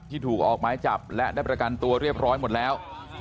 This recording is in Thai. ถูกออกไม้จับและได้ประกันตัวเรียบร้อยหมดแล้ว